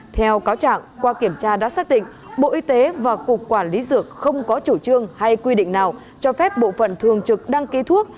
theo cáo trạng qua kiểm tra đã xác định bộ y tế và cục quản lý dược không có chủ trương hay quy định nào cho phép bộ phận thường trực đăng ký thuốc